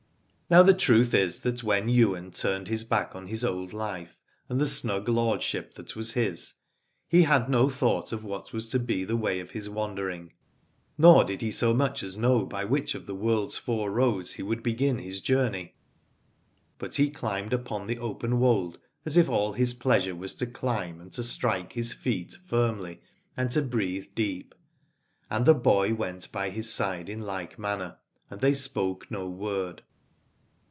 Now the truth is that when Ywain turned his back on his old life and the snug lord ship that was his, he had no thought of what was to be the way of his wandering, nor did he so much as know by which of the world's, four roads he would begin his journey. But he climbed upon the open wold as if all his pleasure was to climb and to strike his feet firmly and to breathe deep : and the boy went by his side in like manner, and they spoke no word.